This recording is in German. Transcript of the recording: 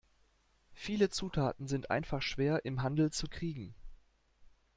Viele Zutaten sind einfach schwer im Handel zu kriegen.